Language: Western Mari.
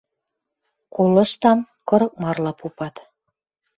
Колыштам: кырык марла попат.